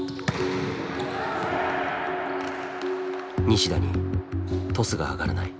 西田にトスが上がらない。